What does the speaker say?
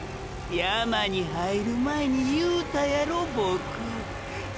山に入る前に言うたやろボクゥ。